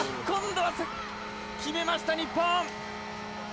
今度は決めました、日本！